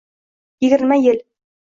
Yigirma yil